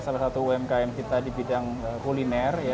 salah satu umkm kita di bidang kuliner